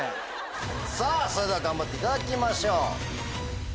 さぁそれでは頑張っていただきましょう。